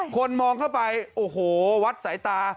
คนมองเข้าไปโอ้โหวัดสายตา